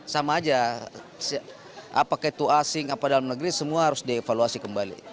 sama aja apakah itu asing apa dalam negeri semua harus dievaluasi kembali